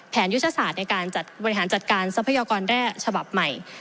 ยุทธศาสตร์ในการจัดบริหารจัดการทรัพยากรแร่ฉบับใหม่